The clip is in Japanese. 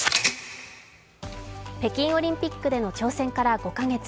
北京オリンピックでの挑戦から５カ月。